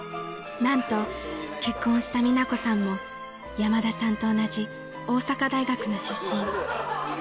［何と結婚したミナコさんも山田さんと同じ大阪大学の出身］